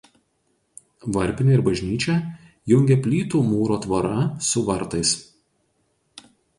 Varpinę ir bažnyčią jungia plytų mūro tvora su vartais.